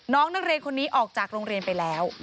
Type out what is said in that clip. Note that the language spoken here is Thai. น้องนักเรียนคนนี้ออกจากโรงเรียนไปแล้ว